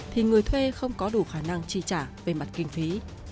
thì người thuê không có đủ khả năng chi trả về mặt kinh phí